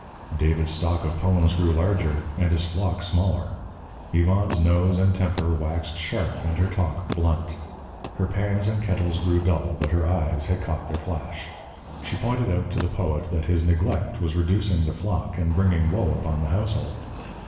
David's stock of poems grew larger and his flock smaller. Yvonne's nose and temper waxed sharp and her talk blunt. Her pans and kettles grew dull, but her eyes had caught their flash. She pointed out to the poet that his neglect was reducing the flock and bringing woe upon the household.